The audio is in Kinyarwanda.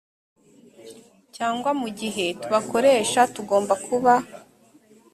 cyangwa mu gihe tubakoresha tugomba kuba